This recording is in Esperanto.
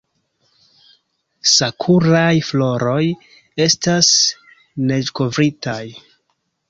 Sakuraj floroj estas neĝkovritaj!